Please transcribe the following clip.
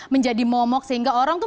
menjadi momok sehingga orang tuh